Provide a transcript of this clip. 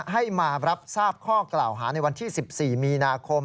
ให้มารับทราบข้อกล่าวหาในวันที่๑๔มีนาคม